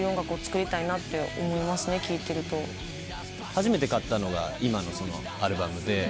初めて買ったのが今のアルバムで。